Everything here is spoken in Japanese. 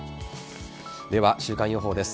では、週間予報です。